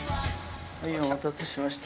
はいお待たせしました。